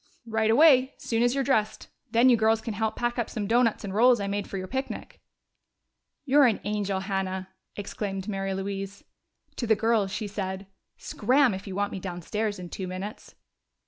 "Right away, soon as you're dressed. Then you girls can help pack up some doughnuts and rolls I made for your picnic." "You're an angel, Hannah!" exclaimed Mary Louise. To the girls she said, "Scram, if you want me downstairs in two minutes."